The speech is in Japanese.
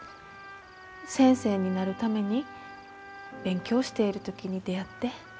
先生になるために勉強している時に出会って。